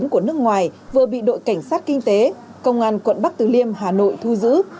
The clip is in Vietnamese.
của nước ngoài vừa bị đội cảnh sát kinh tế công an quận bắc từ liêm hà nội thu giữ